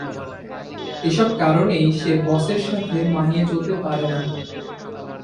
এসব কারণেই সে বসের সাথে মানিয়ে চলতে পারে না।